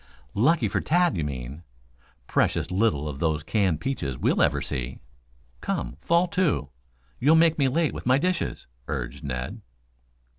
"Lucky for Tad, you mean. Precious little of those canned peaches we'll ever see. Come, fall to. You'll make me late with my dishes," urged Ned.